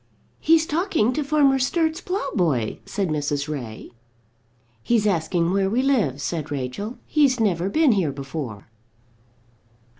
"He's talking to Farmer Sturt's ploughboy," said Mrs. Ray. "He's asking where we live," said Rachel. "He's never been here before."